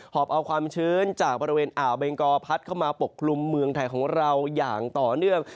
อบเอาความชื้นจากบริเวณอ่าวเบงกอพัดเข้ามาปกคลุมเมืองไทยของเราอย่างต่อเนื่อง